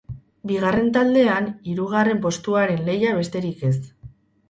Bigarren taldean, hirugarren postuaren lehia besterik ez.